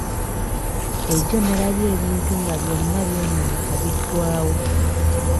Ejjo nnalabye ebintu nga byonna byonooneka biggwawo.